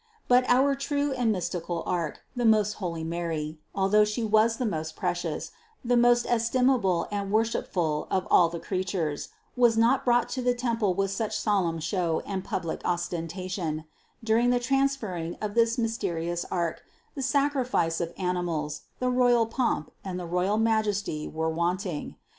But our true and mystical Ark, the most holy Mary, although She was the most precious, the most estimable and worshipful of all the creatures, was not brought to the temple with such solemn show and public ostentation; during the transferring of this mysterious Ark, the sacrifice of animals, the royal pomp, and the royal majesty were wanting.